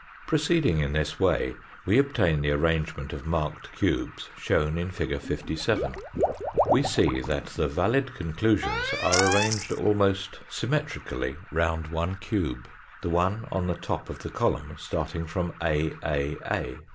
Proceeding in this way we obtain the arrangement of marked cubes shown in fig. 57. We see that the valid conclusions are arranged almost symmetrically round one cube the one on the top of the column starting from AAA.